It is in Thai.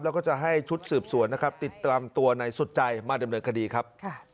แล้วก็จะให้ชุดสืบสวนนะครับติดตามตัวในสุดใจมาดำเนินคดีครับ